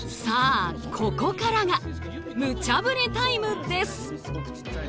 さあここからがムチャぶりタイムです！